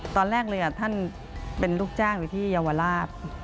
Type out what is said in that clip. ตอนแรกเลยท่านเป็นลูกจ้างอยู่ที่เยาวราช